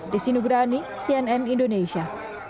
desinu grani cnn indonesia